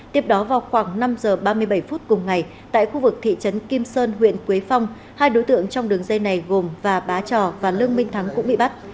tiếp đó vào khoảng năm giờ ba mươi bảy phút cùng ngày tại khu vực thị trấn kim sơn huyện quế phong hai đối tượng trong đường dây này gồm và bá trò và lương minh thắng cũng bị bắt